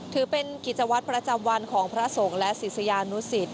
ถือเป็นกิจวัตรประจำวันของพระสงฆ์และศิษยานุสิต